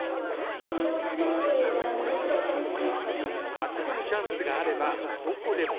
巻きこむチャンスがあればどこでも！